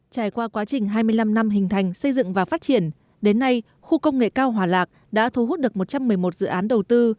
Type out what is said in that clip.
trải qua quá trình hai mươi năm năm hình thành xây dựng và phát triển đến nay khu công nghệ cao hòa lạc đã thu hút được một trăm một mươi một dự án đầu tư